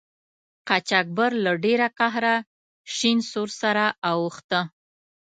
قاچاقبر له ډیره قهره شین سور سره اوښته.